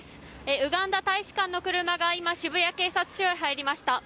ウガンダ大使館の車が今、渋谷警察署へ入りました。